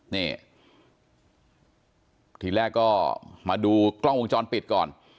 นี่ทีแรกก็มาดูกล้องวงจรปิดก่อน